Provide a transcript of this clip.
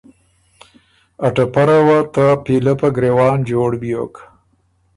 که ا ټپره وه ته پیلۀ په ګرېوان جوړ بیوک۔